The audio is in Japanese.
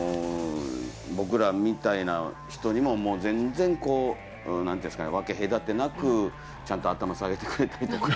僕らみたいな人にも全然、何というんですかね分け隔てなくちゃんと頭を下げてくれたりとか。